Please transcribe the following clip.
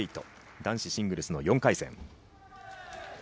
男子シングルスの４回戦。